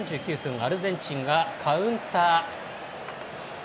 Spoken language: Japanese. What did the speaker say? アルゼンチンがカウンター。